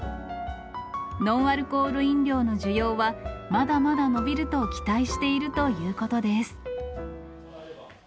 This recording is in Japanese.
ノンアルコール飲料の需要は、まだまだ伸びると期待しているということです。